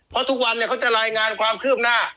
เพราะทุกวันเขาจะรายงานความคืบหน้า